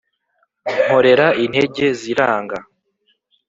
nkorera intege ziranga